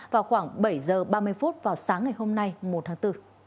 vào khoảng bảy h ba mươi vào sáng ngày hôm nay một tháng bốn